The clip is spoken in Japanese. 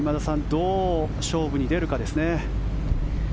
どう勝負に出るかですね。